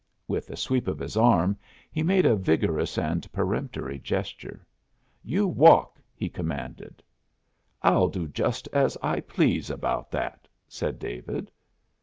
With a sweep of his arm, he made a vigorous and peremptory gesture. "You walk!" he commanded. "I'll do just as I please about that," said David.